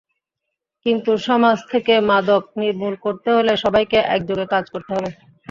কিন্তু সমাজ থেকে মাদক নির্মূল করতে হলে সবাইকে একযোগে কাজ করতে হবে।